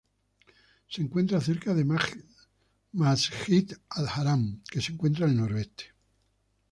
Se encuentra cerca de Masjid Al Haram, que se encuentra en el noreste.